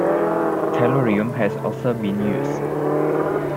Tellurium has also been used.